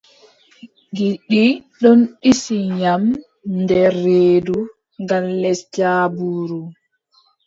Gilɗi ɗon ɗisi yam nder reedu gal les jaabuuru.